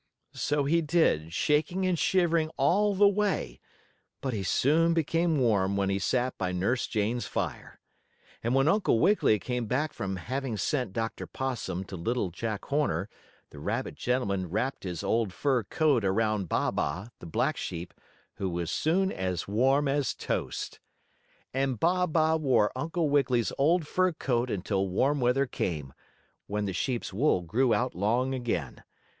So he did, shaking and shivering all the way, but he soon became warm when he sat by Nurse Jane's fire. And when Uncle Wiggily came back from having sent Dr. Possum to Little Jack Horner, the rabbit gentleman wrapped his old fur coat around Baa baa, the black sheep, who was soon as warm as toast. And Baa baa wore Uncle Wiggily's old fur coat until warm weather came, when the sheep's wool grew out long again.